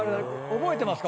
覚えてますか？